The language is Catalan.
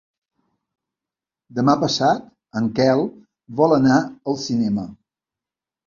Demà passat en Quel vol anar al cinema.